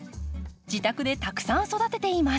自宅でたくさん育てています。